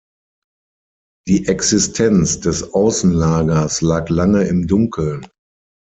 Die Existenz des Außenlagers lag lange im Dunkeln.